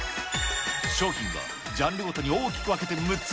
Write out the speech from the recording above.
商品はジャンルごとに大きく分けて６つ。